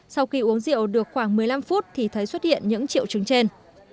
sau khi uống rượu được khoảng một mươi năm phút thì thấy xuất hiện những triệu chứng trên